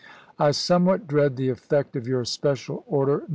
I somewhat dread the effect of your Special Order, No.